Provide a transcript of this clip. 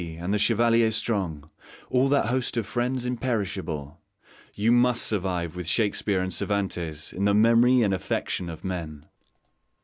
B., and the Chevalier Strong all that host of friends imperishable you must survive with Shakespeare and Cervantes in the memory and affection of men.